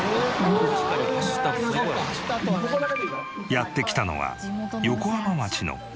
やって来たのは横浜町の温泉施設。